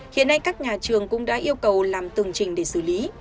hiện nay các nhà trường cũng đã yêu cầu làm từng trình để xử lý